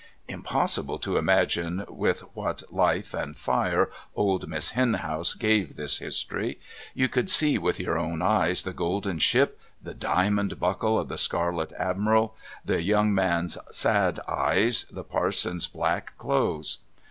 Impossible to imagine with what life and fire old Miss Henhouse gave this history. You could see with your own eyes the golden ship, the diamond buckles of the Scarlet Admiral, the young man's sad eyes, the parson's black clothes.